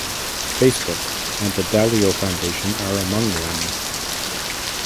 Facebook and the Dalio Foundation are among them.